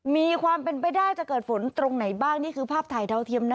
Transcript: มีความเป็นไปได้จะเกิดฝนตรงไหนบ้างนี่คือภาพถ่ายดาวเทียมนะ